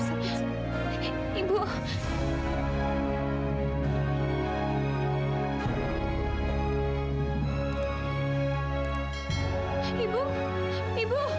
butini bangun bu ibu ibu